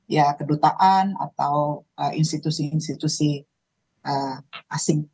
ya kedutaan atau institusi institusi asing